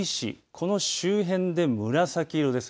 この周辺で紫色です。